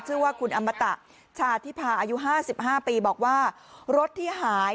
ชื่อว่าคุณอมตะชาธิพาอายุ๕๕ปีบอกว่ารถที่หาย